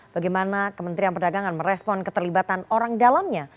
bagaimana kementerian perdagangan merespon keterlibatan orang dalamnya